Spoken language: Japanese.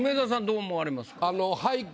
どう思われますか？